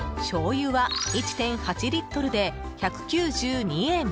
しょうゆは１．８リットルで１９２円。